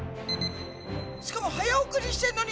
しかも早送りしてんのに。